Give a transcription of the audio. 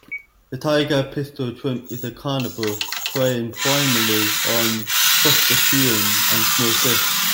The tiger pistol shrimp is a carnivore, preying primarily on crustaceans and small fish.